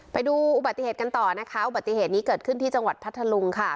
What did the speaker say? ไปดูอุบัติเหตุกันต่อนะคะอุบัติเหตุนี้เกิดขึ้นที่จังหวัดพัทธลุงค่ะ